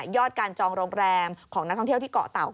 อดการจองโรงแรมของนักท่องเที่ยวที่เกาะเต่า